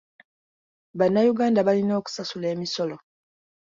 Bannayuganda balina okusasula emisolo.